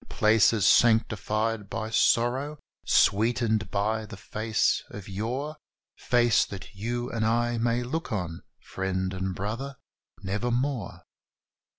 Places sanctified by sorrow sweetened by the face of yore Face that you and I may look on (friend and brother) nevermore!